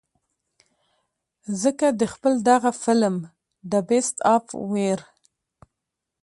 ځکه د خپل دغه فلم The Beast of War